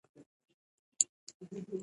مزارشریف د افغانانو د فرهنګي پیژندنې برخه ده.